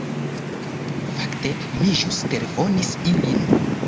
"Fakte, mi ĵus telefonis ilin."